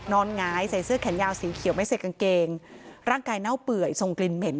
หงายใส่เสื้อแขนยาวสีเขียวไม่ใส่กางเกงร่างกายเน่าเปื่อยทรงกลิ่นเหม็น